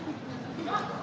terima kasih pak